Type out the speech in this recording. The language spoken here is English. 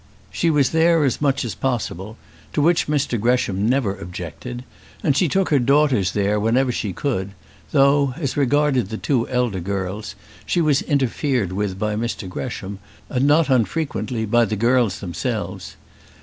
She was there as much as possible, to which Mr Gresham never objected; and she took her daughters there whenever she could, though, as regarded the two elder girls, she was interfered with by Mr Gresham, and not unfrequently by the girls themselves.